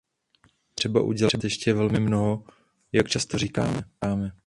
Je třeba udělat ještě velmi mnoho, jak často říkáme.